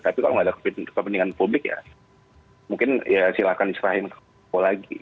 tapi kalau nggak ada kepentingan publik ya mungkin ya silahkan diserahin ke papua lagi